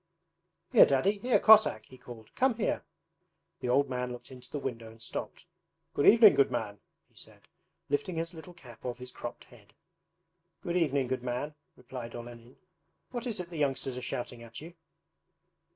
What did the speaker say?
'Here Daddy, here Cossack!' he called. 'Come here!' The old man looked into the window and stopped. 'Good evening, good man,' he said, lifting his little cap off his cropped head. 'Good evening, good man,' replied Olenin. 'What is it the youngsters are shouting at you?'